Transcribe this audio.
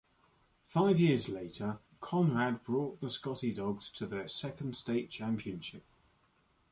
Five years later, Conrad brought the Scotty Dogs to their second state championship.